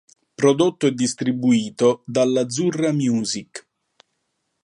Prodotto e distribuito dall'Azzurra Music.